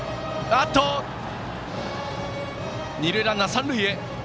二塁ランナーが三塁へ。